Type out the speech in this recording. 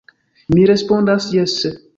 Mi respondas jese.